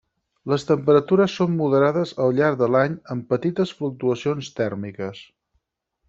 Les temperatures són moderades al llarg de l'any amb petites fluctuacions tèrmiques.